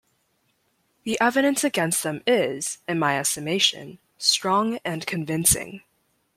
The evidence against them is, in my estimation, strong and convincing.